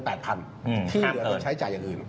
ที่เหลือโดยใช้จ่ายอย่างอื่น